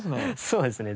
そうですね。